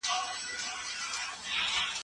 ستا له نوره مو خالقه دا د شپو وطن روښان کې